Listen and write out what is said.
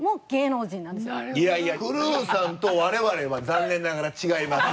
いやいやクルーさんと我々は残念ながら違います。